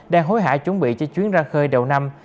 đang hối hả chuẩn bị cho chuyến ra khơi đầu năm